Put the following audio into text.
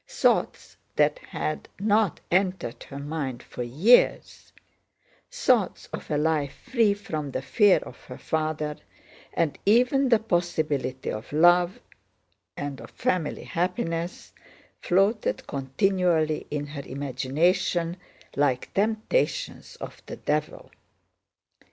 Thoughts that had not entered her mind for years—thoughts of a life free from the fear of her father, and even the possibility of love and of family happiness—floated continually in her imagination like temptations of the devil.